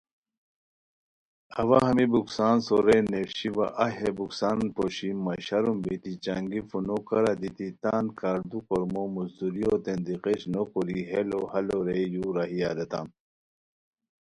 اوا ہمی بکسان سورین نیویشی وا ایہہ ہے بکسان پوشی مہ شرم بیتی چنگی فونو کارا دیتی تان کاردو کورمو مزدُوریوتین دی غیچ نوکوری ہیلو ہالو رے یُو راہی اریتام